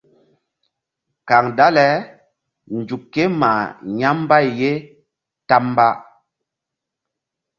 Kaŋ dale nzuk ké mah ya̧ mbay ye ta mba.